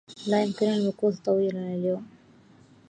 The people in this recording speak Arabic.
لا يمكنني المكوث طويلا اليوم.